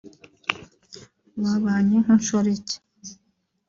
“Babanye nk’inshoreke